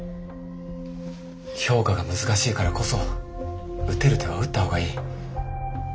評価が難しいからこそ打てる手は打った方がいい。